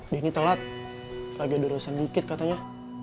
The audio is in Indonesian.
denny telat lagi dorosan dikit katanya